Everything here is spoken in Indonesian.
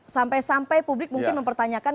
sampai sampai publik mungkin mempertanyakan